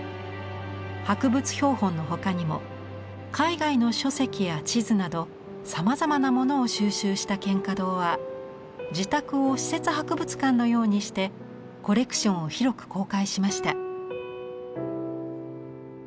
博物標本の他にも海外の書籍や地図などさまざまなものを収集した蒹葭堂は自宅を私設博物館のようにしてコレクションを広く公開しました。